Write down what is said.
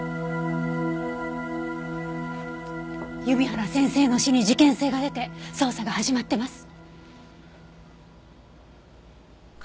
弓原先生の死に事件性が出て捜査が始まってます。